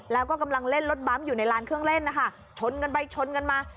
แล้วก็กำลังเล่นรถบั๊มอยู่ในร้านเครื่องเล่นนะคะชนกันไปชนกันมา